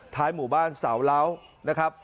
ท้ายหมู่บ้านเสาเหล้านายครับ